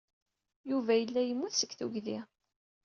Yuba yella yemmut seg tuggdi.